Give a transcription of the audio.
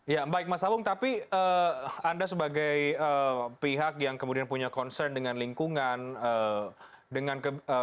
ya baik mas sawung tapi anda sebagai pihak yang kemudian punya concern dengan lingkungan dengan